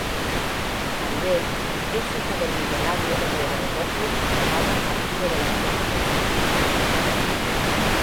Maribel es hija del millonario hombre de negocios llamado Arturo De La Fuente.